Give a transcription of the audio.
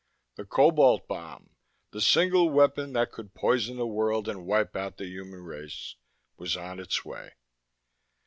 The cobalt bomb the single weapon that could poison the world and wipe out the human race was on its way.